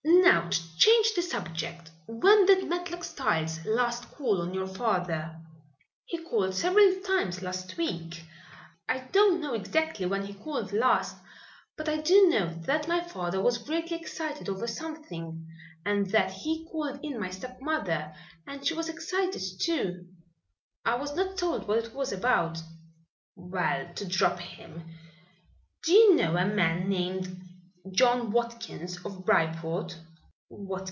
"Now to change the subject. When did Matlock Styles last call on your father?" "He called several times last week. I don't know exactly when he called last. But I do know that my father was greatly excited over something, and that he called in my stepmother and she was excited, too. I was not told what it was about." "Well, to drop him, do you know a man named John Watkins, of Bryport?"